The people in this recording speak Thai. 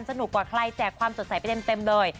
กว่าใครแจกความสดใสไปเต็มเลย